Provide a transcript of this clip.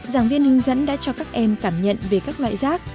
giảng viên hướng dẫn đã cho các em cảm nhận về các loại rác